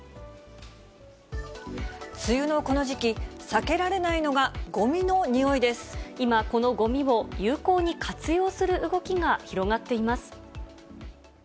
梅雨のこの時期、避けられな今、このごみを有効に活用する動きが広がっています。